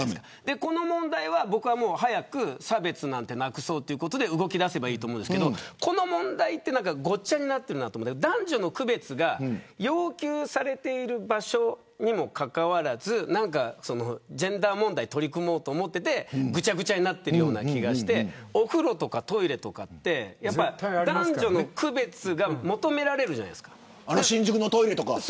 この問題は早く差別なんてなくそうということで動き出せばいいと思うんですけどこの問題はごっちゃになっていて男女の区別が要求されている場所にもかかわらずジェンダー問題を取り込もうと思っていて、ぐちゃぐちゃになっているような気がしてお風呂とかトイレとかって男女の区別が求められるじゃないですか。